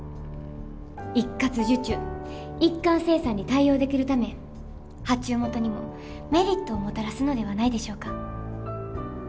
一括受注一貫生産に対応できるため発注元にもメリットをもたらすのではないでしょうか？